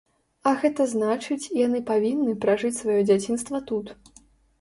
А гэта значыць, яны павінны пражыць сваё дзяцінства тут.